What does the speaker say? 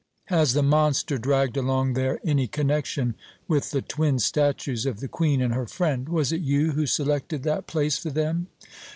Has the monster dragged along there any connection with the twin statues of the Queen and her friend? Was it you who selected that place for them?"